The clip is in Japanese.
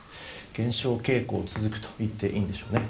減少傾向が続くといっていいんでしょうね。